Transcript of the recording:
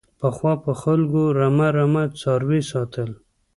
پخوا به خلکو رمه رمه څاروي ساتل.